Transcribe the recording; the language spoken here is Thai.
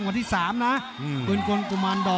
มันลำบากอ่ะชกยาก